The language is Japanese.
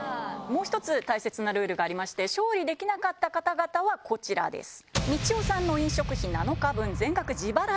もう１つ大切なルールがありまして勝利できなかった方々はこちらです。